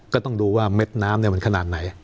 ก็ต้องดูว่าเม็ดน้ำมันขนาดไหน